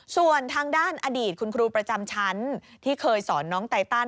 ส่วนทางด้านอดีตคุณครูประจำชั้นที่เคยสอนน้องไตตัน